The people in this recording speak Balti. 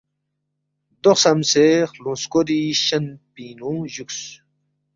“ دو خسمسے خلوُنگ سکوری شین پِنگ نُو جُوکس